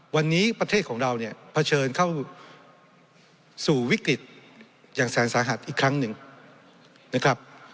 วันนี้ประเทศของเราเนี่ยเผชิญเข้าสู่วิกฤตอย่างแสนสาหัสอีกครั้งหนึ่งนะครับ